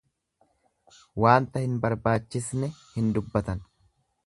Waanta hin barbaachisne hin dubbatan.